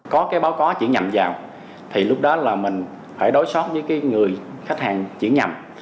có cái báo có chuyển nhầm vào thì lúc đó là mình phải đối xót với người khách hàng chuyển nhầm